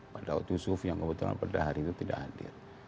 pak daud yusuf yang kebetulan pada hari itu tidak hadir